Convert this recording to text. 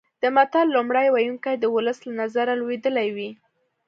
د متل لومړی ویونکی د ولس له نظره لویدلی وي